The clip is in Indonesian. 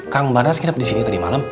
kang barnas hidup di sini tadi malam